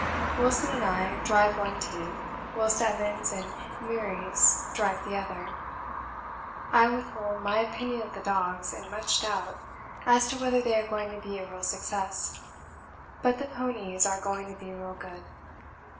Wilson and I drive one team, whilst Evans and Meares drive the other. I withhold my opinion of the dogs in much doubt as to whether they are going to be a real success but the ponies are going to be real good.